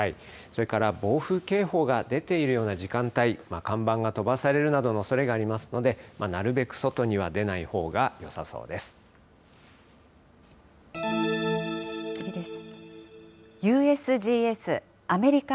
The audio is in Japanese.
それから暴風警報が出ているような時間帯、看板が飛ばされるなどのおそれがありますので、なるべく外には出ないほうがよさそうで次です。